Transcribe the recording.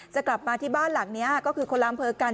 จะกลับมาที่บ้านหลังนี้ก็คือคนละอำเภอกัน